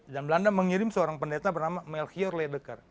dan belanda mengirim seorang pendeta bernama melchior ledeker